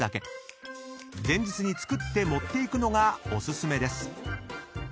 ［前日に作って持っていくのがお薦めです］